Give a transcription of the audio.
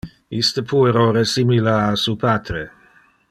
Iste puero resimila a su patre.